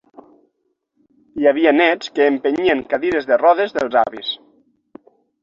Hi havia néts que empenyien cadires de rodes dels avis.